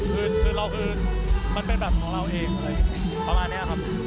คือเราคือมันเป็นแบบของเราเองเลยประมาณนี้ครับ